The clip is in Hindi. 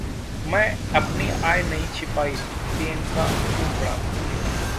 मैंने अपनी आय नहीं छिपाई: प्रियंका चोपड़ा